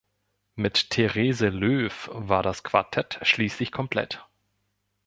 Mit Therese Löf war das Quartett schließlich komplett.